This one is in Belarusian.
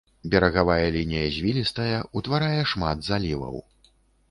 Берагавая лінія звілістая, утварае шмат заліваў.